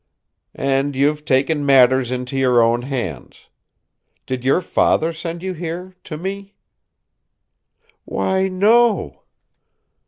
"And you've taken matters into your own hands. Did your father send you here to me?" "Why, no!"